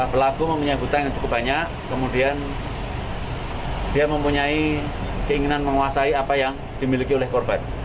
pelaku mempunyai hutang yang cukup banyak kemudian dia mempunyai keinginan menguasai apa yang dimiliki oleh korban